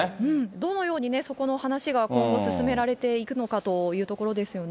どのようにそこの話が今後、進められていくのかというところですよね。